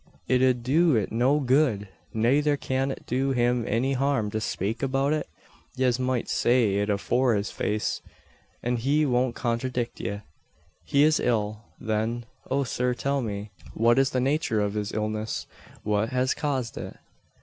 It ud do it no good; nayther cyan it do him any harm to spake about it? Yez moight say it afore his face, an he won't conthradict ye." "He is ill, then. O, sir, tell me, what is the nature of his illness what has caused it?"